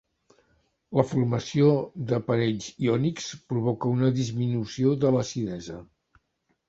La formació de parells iònics provoca una disminució de l'acidesa.